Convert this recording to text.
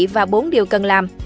và bốn điều cần làm